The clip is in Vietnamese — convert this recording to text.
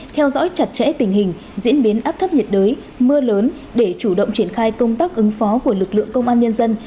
theo dõi chặt chẽ tình hình diễn biến áp thấp nhiệt đới mưa lớn để chủ động triển khai công tác ứng phó của lực lượng công an nhân dân